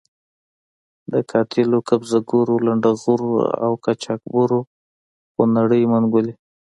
د قاتلو، قبضه ګرو، لنډه غرو او قاچاق برو خونړۍ منګولې.